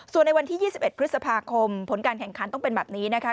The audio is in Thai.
ส่วนในวันที่๒๑พฤษภาคมผลการแข่งขันต้องเป็นแบบนี้นะคะ